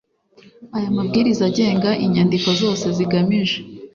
aya mabwiriza agenga inyandiko zose zigamije